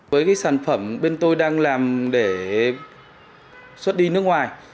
với cái sản phẩm bên tôi đang làm để xuất đi nước ngoài